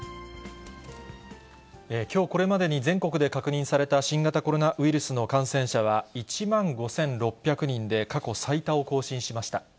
きょうこれまでに、全国で確認された新型コロナウイルスの感染者は１万５６００人で、過去最多を更新しました。